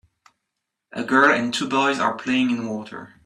A girl and two boys are playing in water.